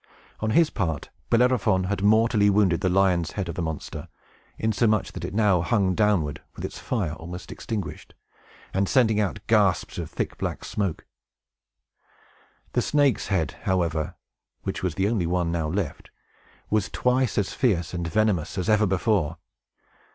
On his part, Bellerophon had mortally wounded the lion's head of the monster, insomuch that it now hung downward, with its fire almost extinguished, and sending out gasps of thick black smoke. The snake's head, however (which was the only one now left), was twice as fierce and venomous as ever before.